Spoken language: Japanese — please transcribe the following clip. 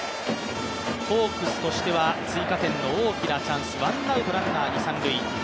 ホークスとしては追加点の大きなチャンス、ワンアウトランナー、二・三塁。